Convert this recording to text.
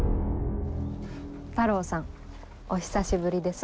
太郎さんお久しぶりです。